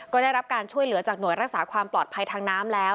ก็ได้รับการช่วยเหลือจากหน่วยรักษาความปลอดภัยทางน้ำแล้ว